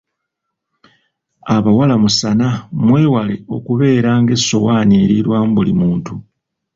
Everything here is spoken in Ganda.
Abawala musaana mwewalae okubeera ng'essowaani erirwamu buli muntu.